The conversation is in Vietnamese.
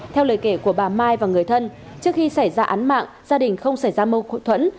theo lời kể của bà mai và người thân trước khi xảy ra án mạng gia đình không xảy ra mâu thuẫn